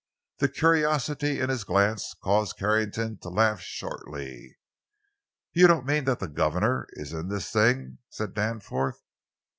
The curiosity in his glance caused Carrington to laugh shortly. "You don't mean that the governor is in this thing?" said Danforth.